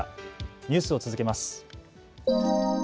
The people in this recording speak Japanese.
ニュースを続けます。